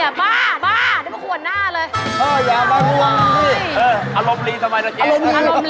อารมณ์ลีทำไมล่ะเจ๊เหรออารมณ์ลี